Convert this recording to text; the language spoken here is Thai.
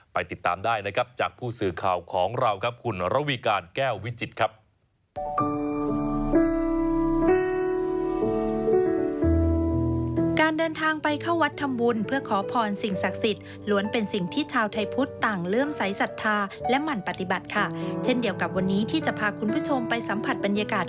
ติดตามได้นะครับจากผู้สื่อข่าวของเราครับคุณระวีการแก้ววิจิตรครับ